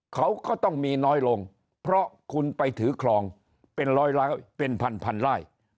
เขาก็ต้องมีน้อยลงเพราะคุณไปถือครองเป็นร้อยเป็นพันไร่